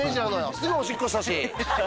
すぐおしっこしたし。